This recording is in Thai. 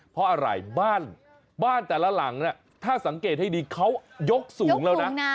เพราะอะไรบ้านแต่ละหลังถ้าสังเกตให้ดีเขายกสูงแล้วนะ